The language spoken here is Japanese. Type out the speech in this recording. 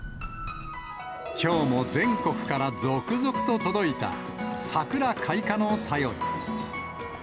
きょうも全国から続々と届いた桜開花の便り。